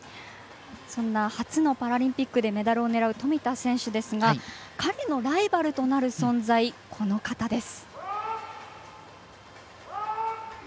そんな初のパラリンピックでメダルを狙う富田選手ですがライバルとなる存在この方です。